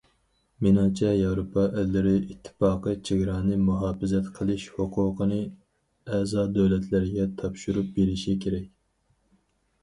مېنىڭچە ياۋروپا ئەللىرى ئىتتىپاقى چېگرانى مۇھاپىزەت قىلىش ھوقۇقىنى ئەزا دۆلەتلەرگە تاپشۇرۇپ بېرىشى كېرەك.